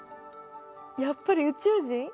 やっぱり宇宙人！？